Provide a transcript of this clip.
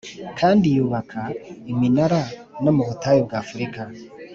Kandi yubaka iminara no mu butayu bw’ afurika